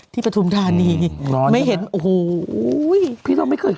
ที่ประธุมธานีไม่เห็นโอ้โห